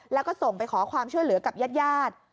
แล้วก็ส่งไปขอความช่วยเหลือกับญาติญาติ